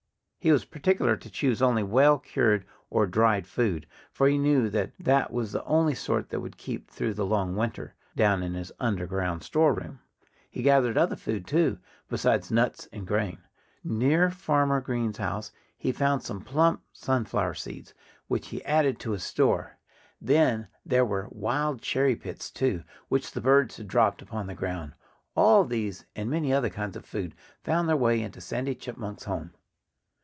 He was particular to choose only well cured (or dried) food, for he knew that that was the only sort that would keep through the long winter, down in his underground storeroom. He gathered other food, too, besides nuts and grain. Near Farmer Green's house he found some plump sunflower seeds, which he added to his store. Then there were wild cherry pits, too, which the birds had dropped upon the ground. All these, and many other kinds of food, found their way into Sandy Chipmunk's home.